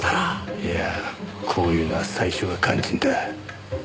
いやこういうのは最初が肝心だ。